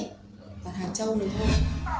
tầng hàng châu này thôi